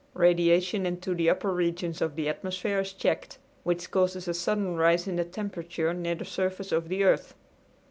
Radiation into the upper regions of the atmosphere is checked, which causes a sudden rise in the temperature near the surface of the earth.